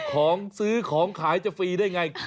ของซื้อของขายจะฟรีได้ไง